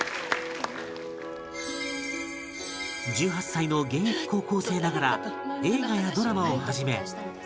１８歳の現役高校生ながら映画やドラマをはじめ